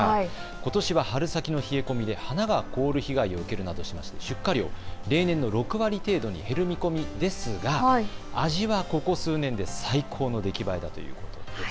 ことしは春先の冷え込みで花が凍る被害を受けるなどして出荷量、例年の６割程度に減る見込みだそうですが味はここ数年で最高の出来栄えだということです。